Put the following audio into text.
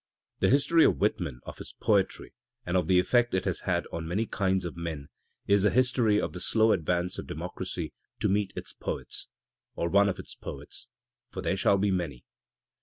The history of Whitman, of his poetry and of the effect it has had on many kinds of men, is the history of the slow advance of democraqy to meet its poets — or one of its poets, for there shall be many.